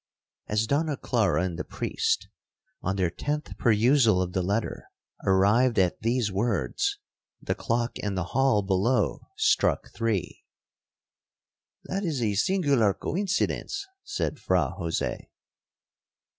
'As Donna Clara and the priest (on their tenth perusal of the letter) arrived at these words, the clock in the hall below struck three. 'That is a singular coincidence,' said Fra Jose.